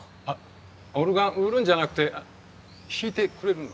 オルガン売るんじゃなくて弾いてくれるの？